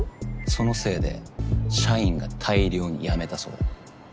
そのせいで社員が大量に辞めたそうだ。